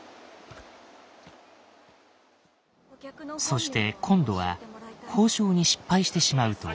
そして今度は交渉に失敗してしまうと。